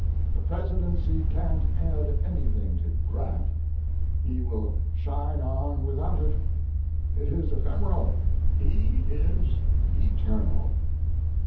The Presidency can't add anything to Grant; he will shine on without it. It is ephemeral; he is eternal.